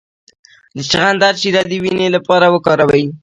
د چغندر شیره د وینې لپاره وکاروئ